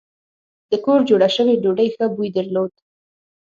د کور جوړه شوې ډوډۍ ښه بوی درلود.